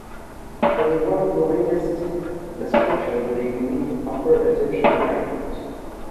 This is one of the latest descriptions of the unique Upper Egyptian rite.